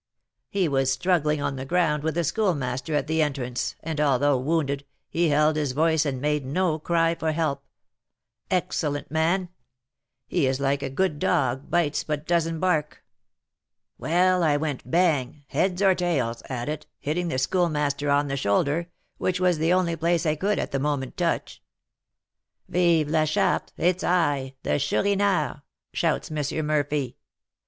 "He was struggling on the ground with the Schoolmaster at the entrance, and, although wounded, he held his voice and made no cry for help. Excellent man! he is like a good dog, bites, but doesn't bark. Well, I went bang, heads or tails, at it, hitting the Schoolmaster on the shoulder, which was the only place I could at the moment touch. 'Vive la Charte! it's I!' 'The Chourineur!' shouts M. Murphy.